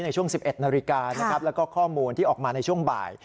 ในช่วง๑๑นาฬิกานะครับแล้วก็ข้อมูลที่ออกมาในช่วงบ่าย